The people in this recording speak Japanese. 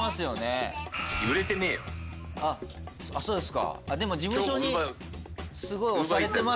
あっそうですか。